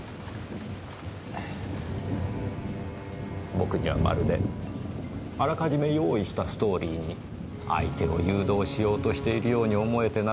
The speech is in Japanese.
僕にはまるであらかじめ用意したストーリーに相手を誘導しようとしてるように思えてならないのですがねぇ。